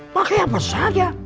pakai apa saja